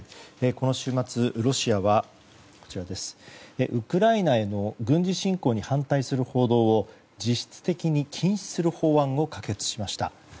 この週末、ロシアはウクライナへの軍事侵攻に反対する報道を実質的に禁止する法案を可決しました。